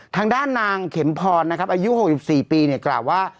ทางด้านนางเข็มพรนะครับอายุ๖๔ปีกล่าวว่า